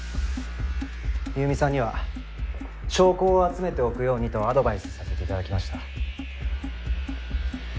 優美さんには証拠を集めておくようにとアドバイスさせて頂きました。